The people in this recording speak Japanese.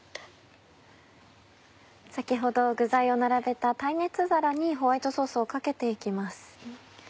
先ほど具材を並べた耐熱皿にホワイトソースをかけて行きます。